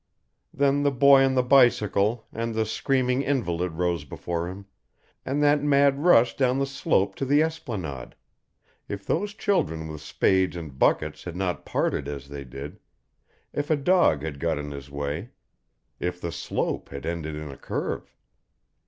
Then the boy on the bicycle and the screaming invalid rose before him, and that mad rush down the slope to the esplanade; if those children with spades and buckets had not parted as they did, if a dog had got in his way, if the slope had ended in a curve!